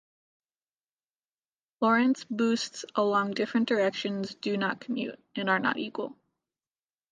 Lorentz boosts along different directions do not commute: and are not equal.